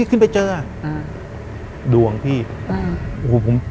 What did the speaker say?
อื้ม